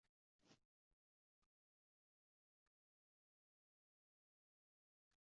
Deyurlar xashru nashring bor, deyurlarki siroting bor